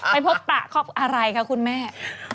ไปพบประอะไรคะคุณแม่